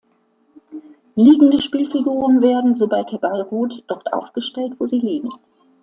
Liegende Spielfiguren werden, sobald der Ball ruht, dort aufgestellt, wo sie liegen.